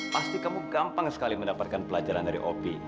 pasti kamu gampang sekali mendapatkan pelajaran dari opi